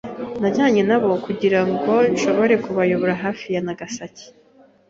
Najyanye nabo kugirango nshobore kubayobora hafi ya Nagasaki.